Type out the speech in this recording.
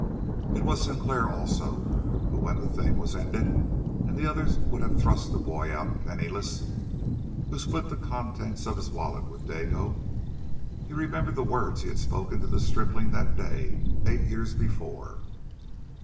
It was Sinclair, also, when the thing was ended, and the others would have thrust the boy out penniless, who split the contents of his wallet with Dago. He remembered the words he had spoken to the stripling that day eight years before.